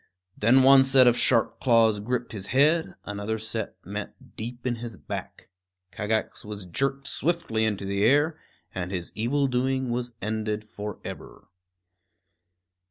Then one set of sharp claws gripped his head; another set met deep in his back. Kagax was jerked swiftly into the air, and his evil doing was ended forever.